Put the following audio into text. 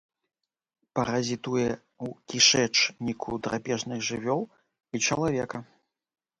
Паразітуе ў кішэчніку драпежных жывёл і чалавека.